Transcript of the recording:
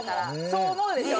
そう思うでしょ？